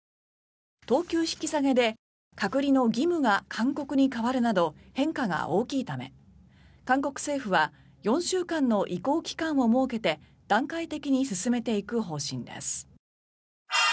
等級引き下げで隔離の義務が勧告に変わるなど変化が大きいため韓国政府は４週間の移行期間を設けて段階的に進めていく方針です。